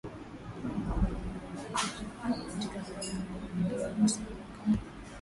ugonjwa huu unaweza kuzuka katika maeneo ambayo wanyama hukusanyika